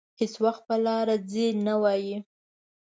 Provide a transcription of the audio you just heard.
هېڅ وخت په لاره ځي نه وايي.